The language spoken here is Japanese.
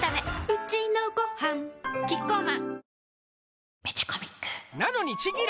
うちのごはんキッコーマン